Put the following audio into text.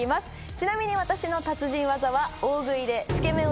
ちなみに私の達人技は大食いで。